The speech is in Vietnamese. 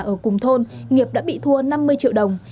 ở cùng thôn nghiệp đã bị thua năm mươi triệu đồng